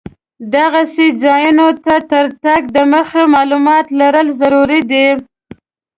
دغسې ځایونو ته تر تګ دمخه معلومات لرل ضرور دي.